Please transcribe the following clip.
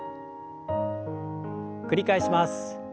繰り返します。